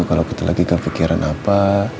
kalau kita lagi kepikiran apa